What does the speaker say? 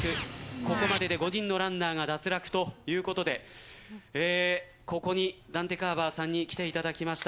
ここまでで５人のランナーが脱落ということでここにダンテ・カーヴァーさんに来ていただきました。